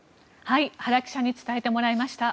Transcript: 原記者に伝えてもらいました。